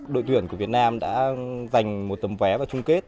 đội tuyển của việt nam đã dành một tấm vé vào chung kết